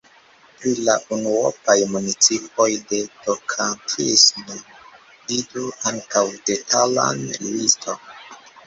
Pri la unuopaj municipoj de Tokantinso vidu ankaŭ detalan liston.